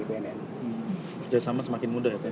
kerja sama semakin mudah pak